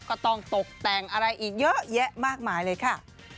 ก็ต้องตกแต่งอะไรอีกเยอะแยะมากมายเลยค่ะ